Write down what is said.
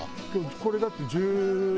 これだって１６？